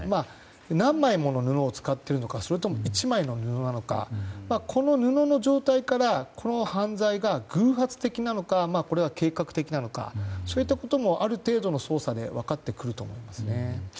何枚もの布を使っているのかそれとも１枚の布なのかこの布の状態から、この犯罪が偶発的なのか計画的なのかそういったこともある程度の捜査で分かってくると思いますね。